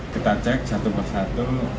kita cek satu persatu